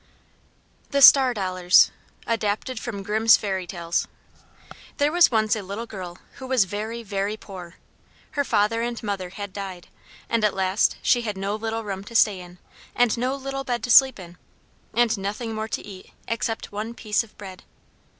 THE STAR DOLLARS [Footnote 1: Adapted from Grimms' Fairy Tales.] There was once a little girl who was very, very poor. Her father and mother had died, and at last she had no little room to stay in, and no little bed to sleep in, and nothing more to eat except one piece of bread.